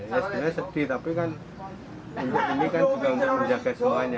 ya sebenarnya sedih tapi kan untuk ini kan juga untuk menjaga soalnya